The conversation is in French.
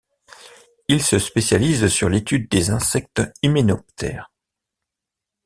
Il se spécialise sur l’étude des insectes hyménoptères.